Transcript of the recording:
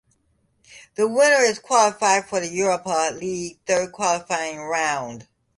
The winner is qualified for the Europa League third qualifying round.